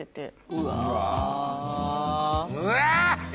うわ！